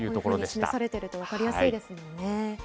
示されていると分かりやすいですよね。